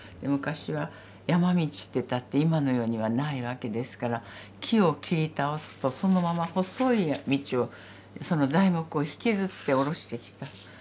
昔は山道っていったって今のようにはないわけですから木を切り倒すとそのまま細い道をその材木を引きずって下ろしてきた。